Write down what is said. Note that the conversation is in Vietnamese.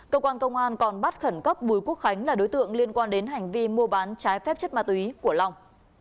cơ quan công an còn bắt khẩn cấp bùi quốc khánh là đối tượng liên quan đến hành vi mua bán trái phép chất ma túy của long